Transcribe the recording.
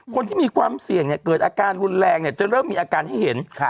คนที่มีความเสี่ยงเนี่ยเกิดอาการรุนแรงจะเริ่มมีอาการให้เห็น